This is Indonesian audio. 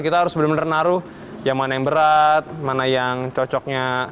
kita harus benar benar naruh yang mana yang berat mana yang cocoknya